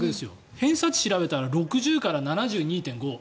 偏差値、調べたら６０から７２．５。